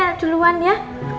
tante saya duluan ya